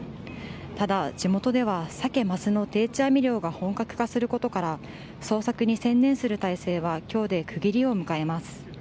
ただ、地元ではサケマスの定置網漁が本格化することから捜索に専念する態勢は今日で区切りを迎えます。